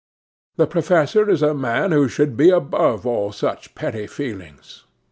The professor is a man who should be above all such petty feelings.